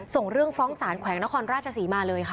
ส่งเรื่องฟ้องสารแขวงนครราชศรีมาเลยค่ะ